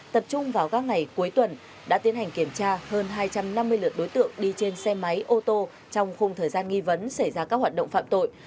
tập trung vào các ngày cuối tuần đã tiến hành kiểm tra hơn hai trăm năm mươi lượt đối tượng đi trên xe máy ô tô trong khung thời gian nghi vấn xảy ra các hoạt động phạm tội